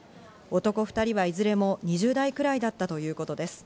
男２人はいずれも２０代ぐらいだったということです。